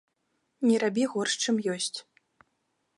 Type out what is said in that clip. Не рабі горш, чым ёсць.